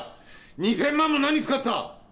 ２，０００万も何に使った！